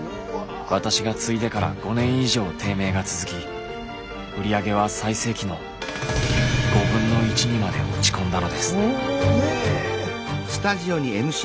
私が継いでから５年以上低迷が続き売り上げは最盛期のにまで落ち込んだのです。